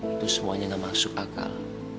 itu semuanya gak masuk akal